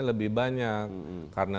lebih banyak karena